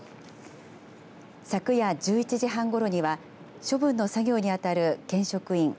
昨夜１１時半ごろには処分の作業に当たる現職員